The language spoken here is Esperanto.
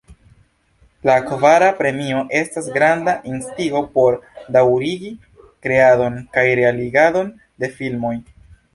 La kvara premio estas granda instigo por daŭrigi kreadon kaj realigadon de filmoj.